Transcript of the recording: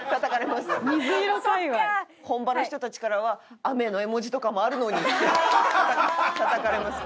本場の人たちからは「雨の絵文字とかもあるのに」ってたたかれますよ。